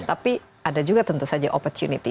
tapi ada juga tentu saja opportunity